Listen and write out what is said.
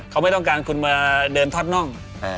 เขาไม่ต้องการคุณมาเดินทอดน่อง